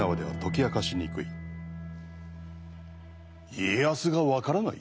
家康が分からない？